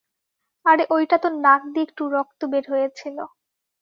আরে ঐটাতো নাক দিয়ে একটু রক্ত বের হয়েছিল।